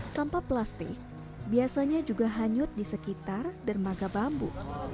sampah plastik biasanya juga hanyut di sekitar dermaga bambu